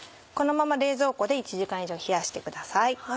このまま冷蔵庫で１時間以上冷やしてください。